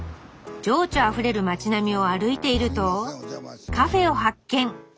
情緒あふれる町並みを歩いているとカフェを発見！